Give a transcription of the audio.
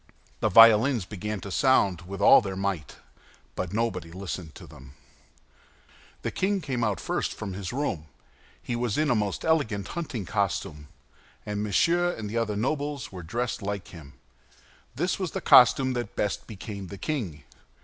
The violins began to sound with all their might, but nobody listened to them. The king came out first from his room. He was in a most elegant hunting costume; and Monsieur and the other nobles were dressed like him. This was the costume that best became the king.